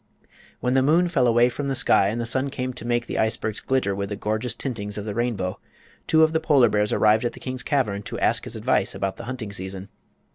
When the moon fell away from the sky and the sun came to make the icebergs glitter with the gorgeous tintings of the rainbow, two of the polar bears arrived at the king's cavern to ask his advice about the hunting season.